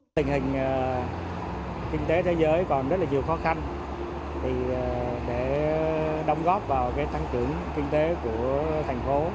tình hình kinh tế thế giới còn rất nhiều khó khăn để đóng góp vào thăng trưởng kinh tế của thành phố